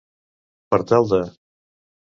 Per tal de.